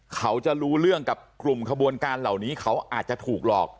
เขาจะรู้เรื่องกับกลุ่มขบวนการเหล่านี้เขาอาจจะถูกหลอก